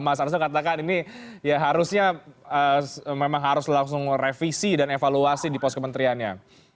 mas arsul katakan ini ya harusnya memang harus langsung revisi dan evaluasi di pos kementeriannya